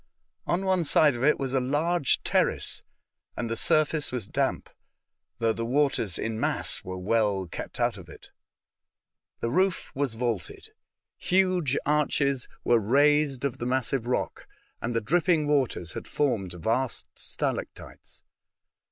On one side of it was a large terrace, and the surface was damp, though the waters in mass were well kept out of it. The roof was vaulted. Huge arches were raised of the massive rock, and the dripping waters had formed vast stalactites.